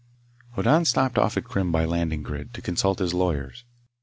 XII Hoddan stopped off at Krim by landing grid, to consult his lawyers.